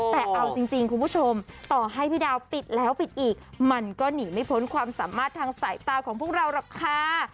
แต่เอาจริงคุณผู้ชมต่อให้พี่ดาวปิดแล้วปิดอีกมันก็หนีไม่พ้นความสามารถทางสายตาของพวกเราหรอกค่ะ